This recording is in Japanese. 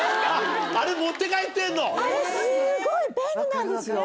あれすごい便利なんですよ。